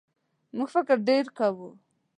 موږ فکر ډېر کوو.